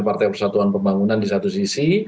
partai persatuan pembangunan di satu sisi